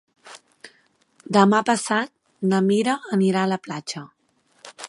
Demà passat na Mira anirà a la platja.